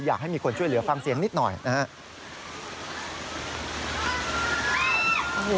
อยากให้มีคนช่วยเหลือฟังเสียงนิดหน่อยนะครับ